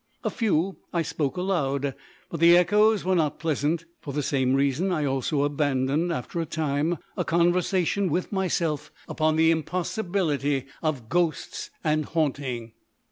A few I spoke aloud, but the echoes were not pleasant. For the same reason I also abandoned, after a time, a conversation with myself upon the impossibility of ghosts and haunting.